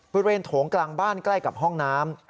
โถงกลางบ้านใกล้กับห้องน้ำ